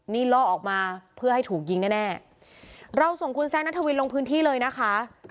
นี่ล่อออกมาเพื่อให้ถูกยิงแน่แน่เราส่งคุณแซคนัทวินลงพื้นที่เลยนะคะ